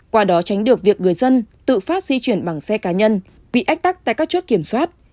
qua đó tránh được việc người dân tự phát di chuyển bằng xe cá nhân bị ách tắc tại các chốt kiểm soát